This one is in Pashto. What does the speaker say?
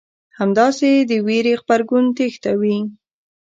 همداسې د وېرې غبرګون تېښته وي.